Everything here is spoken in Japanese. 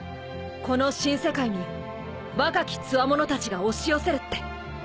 この新世界に若きつわものたちが押し寄せるって。